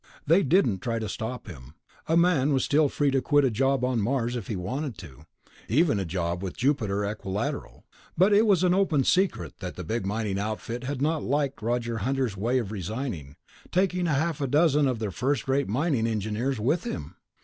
They didn't try to stop him ... a man was still free to quit a job on Mars if he wanted to, even a job with Jupiter Equilateral. But it was an open secret that the big mining outfit had not liked Roger Hunter's way of resigning, taking half a dozen of their first rate mining engineers with him.